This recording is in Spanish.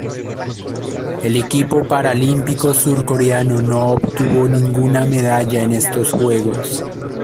El equipo paralímpico surcoreano no obtuvo ninguna medalla en estos Juegos.